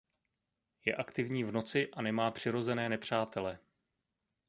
Je aktivní v noci a nemá přirozené nepřátele.